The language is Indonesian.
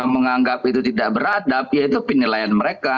dua menganggap itu tidak beradab yaitu penilaian mereka